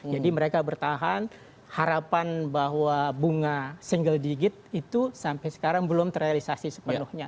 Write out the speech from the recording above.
jadi mereka bertahan harapan bahwa bunga single digit itu sampai sekarang belum terrealisasi sepenuhnya